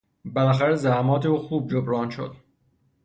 بالاخره زحمات او خوب جبران شد.